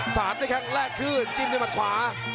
สามในแค่งแรกขึ้นจิ้มด้วยมันขวา